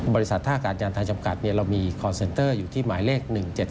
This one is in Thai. บริษัทท่าการยานทางจำกัดเรามีคอร์นเซ็นเตอร์อยู่ที่หมายเลข๑๗๒๒